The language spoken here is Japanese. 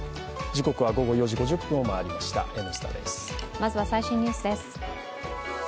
まずは最新ニュースです。